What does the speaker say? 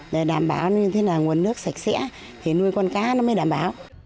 để đảm bảo như thế là nguồn nước sạch sẽ để nuôi con cá nó mới đảm bảo